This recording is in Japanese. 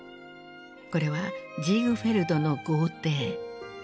これはジーグフェルドの豪邸。